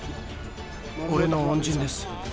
俺の恩人です。